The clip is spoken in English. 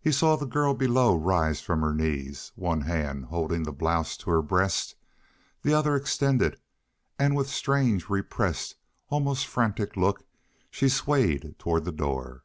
He saw the girl below rise from her knees, one hand holding the blouse to her breast, the other extended, and with strange, repressed, almost frantic look she swayed toward the door.